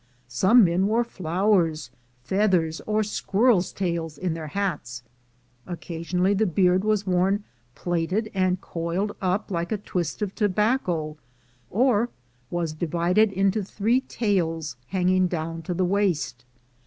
Some men wore flowers, feathers, or squirrel's tails in their hats; occasionally the beard was worn plaited and coiled up like a twist of tobacco, or was divided into three tails hanging down to the waist.